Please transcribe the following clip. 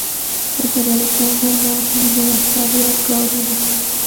دلته د الکسندر مقدوني د لښکرو یادګارونه شته